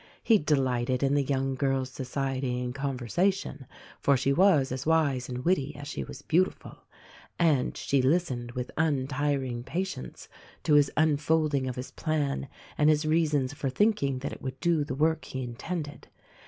He delighted in the young girl's society and conversation, for she was as wise and witty as she was beautiful, and she listened with untiring patience to his unfolding of his plan and his reasons for thinking that it would do the work he intended.